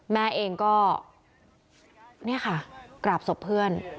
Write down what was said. แม่เองก็นี่ค่ะกราบศพเพื่อน